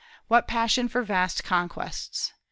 What passion for vast conquests!